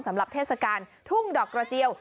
เทศกาลทุ่งดอกกระเจียว